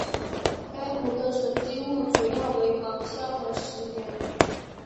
该湖的沉积物主要为芒硝和石盐。